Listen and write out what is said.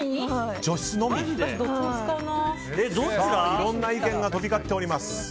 いろんな意見が飛び交っております。